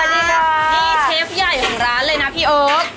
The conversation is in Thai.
นี่เชฟใหญ่ของร้านเลยนะพี่โอ๊ค